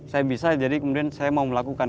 saya bisa jadi kemudian saya mau melakukan